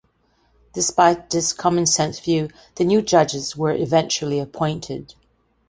Despite this common-sense view, the new judges were eventually appointed.